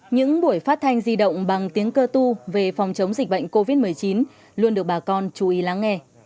những buổi phát thanh di động bằng tiếng cơ tu về phòng chống dịch bệnh covid một mươi chín luôn được bà con chú ý lắng nghe